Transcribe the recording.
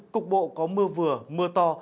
cục bộ có mưa vừa mưa to